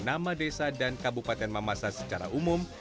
nama desa dan kabupaten mamasa secara umum